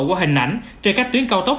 của hình ảnh trên các tuyến cao tốc